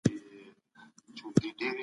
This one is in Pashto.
د دروغو دعوې مه کوئ.